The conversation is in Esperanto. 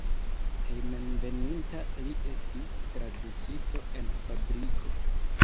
Hejmenveninta li estis tradukisto en fabriko.